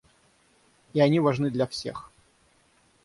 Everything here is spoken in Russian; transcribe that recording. И они важны для всех.